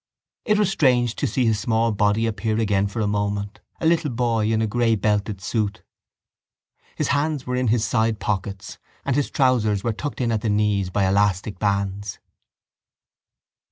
It was strange to see his small body appear again for a moment: a little boy in a grey belted suit. His hands were in his sidepockets and his trousers were tucked in at the knees by elastic bands.